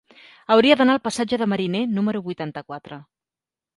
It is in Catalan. Hauria d'anar al passatge de Mariné número vuitanta-quatre.